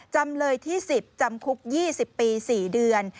จำเลยที่๑๐จำคุก๒๐ปี๔เดือน